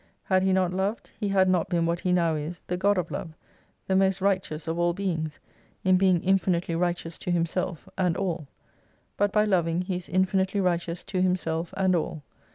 Had He not Loved, He had not been what He now is, The God of Love, the most righteous of all beings, in being infinitely righteous to Himself, and all. But by loving He is infinitely righteous to Himself and all.